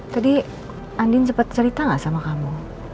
tadi andin cepet cerita gak sama kamu